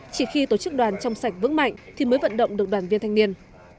chỉ khi tổ chức đoàn trong sạch vững mạnh thì mới vận động được đoàn viên thanh niên